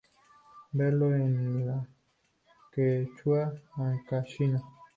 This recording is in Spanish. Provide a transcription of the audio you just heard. Verbo en el quechua ancashino